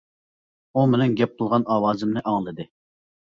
ئۇ مېنىڭ گەپ قىلغان ئاۋازىمنى ئاڭلىدى.